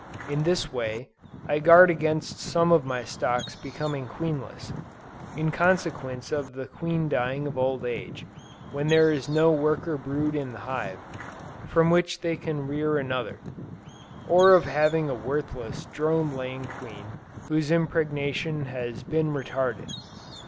In this way, I guard against some of my stocks becoming queenless, in consequence of the queen dying of old age, when there is no worker brood in the hive, from which they can rear another: or of having a worthless, drone laying queen whose impregnation has been retarded.